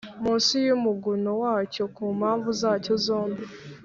Munsi y umuguno wacyo ku mbavu zacyo zombi